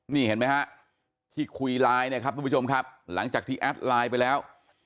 นี่เห็นไหมฮะที่คุยไลน์นะครับทุกผู้ชมครับหลังจากที่แอดไลน์ไปแล้ว